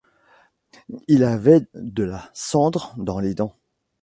Il avait de la cendre dans les dents.